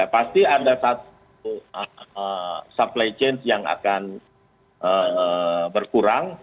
pasti ada satu supply chain yang akan berkurang